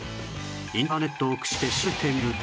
インターネットを駆使して調べてみると